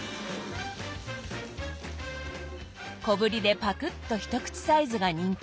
小ぶりでパクッと一口サイズが人気。